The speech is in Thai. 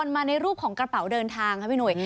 มาในรูปของกระเป๋าเดินทางค่ะพี่หุย